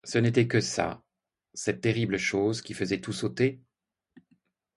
Ce n'était que ça, cette terrible chose qui faisait tout sauter?